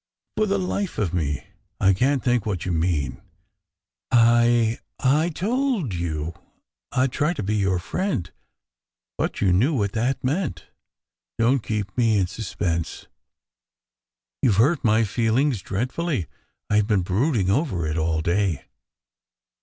"For the life of me, I can t think what you mean. I I told you I d try to be your friend, but you knew what that meant! Don t keep me in suspense." "You ve hurt my feelings dreadfully. I ve been brood ing over it all day."